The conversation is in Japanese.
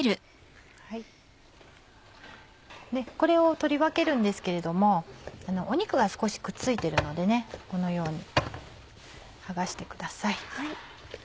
これを取り分けるんですけれども肉が少しくっついてるのでこのように剥がしてください。